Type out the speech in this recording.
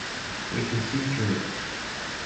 We can see through it.